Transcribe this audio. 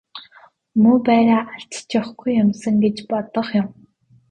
Муу байраа л алдчихгүй юмсан гэж бодох юм.